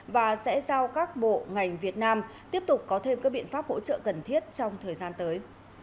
và sẽ giao các bộ ngành việt nam tiếp tục có thêm các biện pháp hỗ trợ cần thiết trong thời gian tới